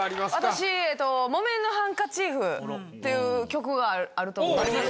私『木綿のハンカチーフ』という曲があると思うんですけど。